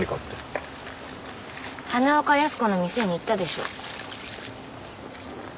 花岡靖子の店に行ったでしょ